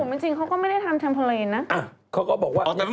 แต่ที่บุมจริงเขาก็ไม่ได้ทำเทมโพเลนนะ